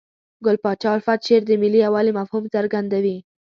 ګل پاچا الفت شعر د ملي یووالي مفهوم څرګندوي.